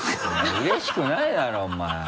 うれしくないだろお前。